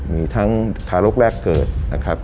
มีทั้งทารกแรกเกิดนะครับ